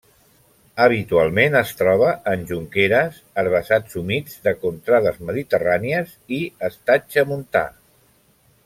Habitualment es troba en jonqueres, herbassars humits de contrades mediterrànies i estatge montà.